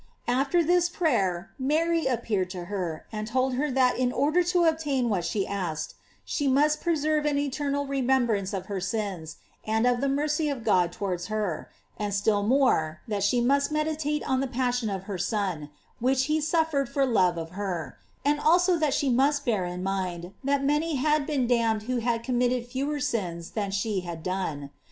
After this prayer, Mary appeared to her, and told her that in order to obtain what she asked, she must preserve an eternal remembrance of her sins, and of the mercy of God towards her; and still more, that she must meditate on the passion of her Son, which he suffered for love of her; and also that she must bear in mind that many had been damned who had committed fewer sins than she had done.